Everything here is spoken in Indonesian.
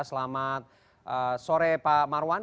selamat sore pak marwan